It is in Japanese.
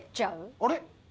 あれ？